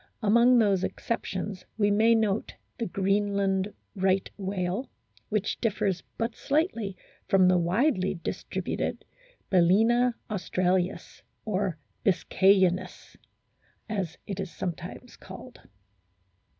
Among these excep tions we may note the Greenland Right whale, which differs but slightly from the widely distributed Bal&na australis, or biscayensis as it is sometimes called.